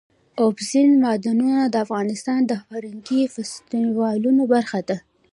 اوبزین معدنونه د افغانستان د فرهنګي فستیوالونو برخه ده.